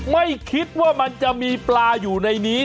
ไม่คิดว่ามันจะมีปลาอยู่ในนี้